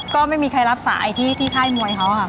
ก็ไม่มีใครรับสายที่ค่ายมวยเขาค่ะ